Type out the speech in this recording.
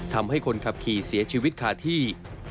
ทำให้คนขับขี่เสียชีวิตคาที่